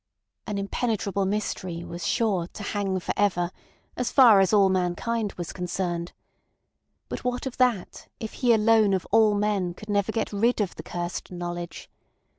"An impenetrable mystery" was sure "to hang for ever" as far as all mankind was concerned. But what of that if he alone of all men could never get rid of the cursed knowledge?